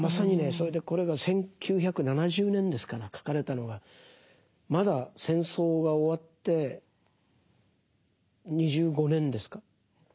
それでこれが１９７０年ですから書かれたのがまだ戦争が終わって２５年ですか。